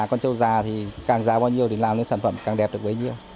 con trâu già thì càng dài bao nhiêu thì làm những sản phẩm càng đẹp được bấy nhiêu